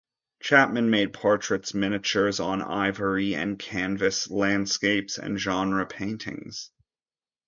Chapman made portraits, miniatures on ivory and canvas, landscapes and genre paintings.